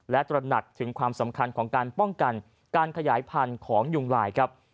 และตระหนักถึงความสำคัญของการป้องกันการขยายพันธุ์ของยุงลายครับ